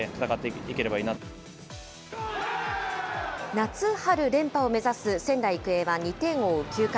夏春連覇を目指す仙台育英は２点を追う９回。